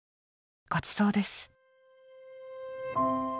ごちそうです。